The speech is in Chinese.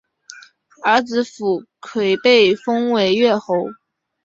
儿子苻馗被封为越侯。